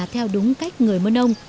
theo đúng cách người mân âu